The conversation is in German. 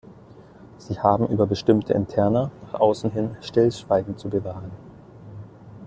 Sie haben über bestimmte Interna nach außen hin Stillschweigen zu bewahren.